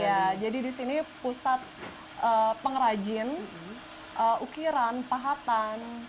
ya jadi di sini pusat pengrajin ukiran pahatan